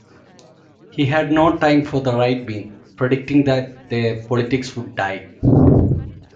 He had no time for the right-wing, predicting that their politics would "die".